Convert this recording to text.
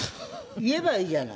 言えばいいじゃない。